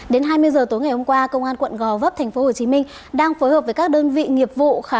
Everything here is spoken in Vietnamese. đến hai mươi h tối ngày hôm qua công an quận gò vấp tp hcm đang phối hợp với các đơn vị nghiệp vụ